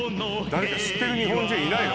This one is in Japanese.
誰か知ってる日本人いないの？